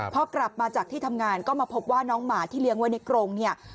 พอกลับมาจากที่ทำงานก็มาพบว่าน้องหมาที่เลี้ยงไว้ในกรงเนี่ย